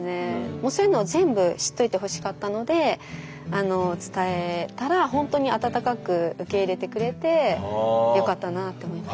もうそういうのを全部知っといてほしかったので伝えたらほんとによかったなあって思います。